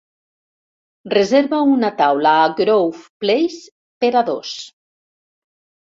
reserva una taula a Grove Place per a dos